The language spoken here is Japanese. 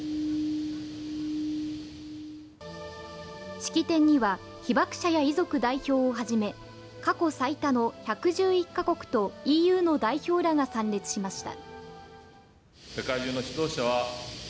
式典には被爆者や遺族代表を初め過去最多の１１１カ国とＥＵの代表らが参列しました。